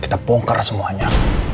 kita bongkar semuanya